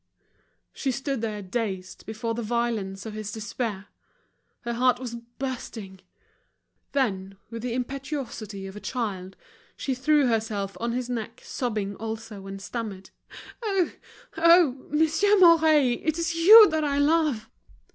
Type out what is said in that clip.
She stood there dazed before the violence of this despair. Her heart was bursting. Then, with the impetuosity of a child, she threw herself on his neck, sobbing also, and stammered: "Oh! Monsieur Mouret, it's you that I love!"